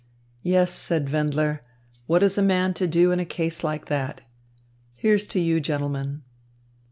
"Yes," said Wendler, "what is a man to do in a case like that? Here's to you, gentlemen!"